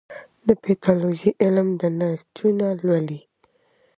د پیتالوژي علم د نسجونه لولي.